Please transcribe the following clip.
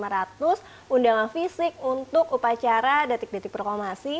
lima ratus undangan fisik untuk upacara detik detik proklamasi